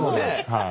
はい。